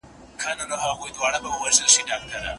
آیا غرنی ځای تر هوار ځای سوړ دی؟